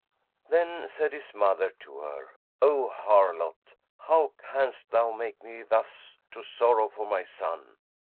Then said his mother to her, "O harlot, how canst thou make me thus to sorrow for my son?